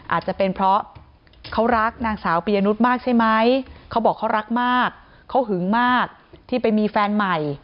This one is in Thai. อาจจะเป็นเพราะเขารักนางสาวปียนุษย์มากใช่ไหมเขาบอกเขารักมากเขาหึงมากที่ไปมีแฟนใหม่